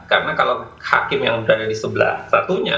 karena kalau hakim yang berada di sebelah satunya